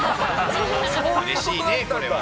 うれしいね、これは。